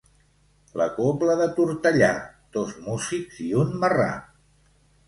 La cobla de Tortellà, dos músics i un marrà.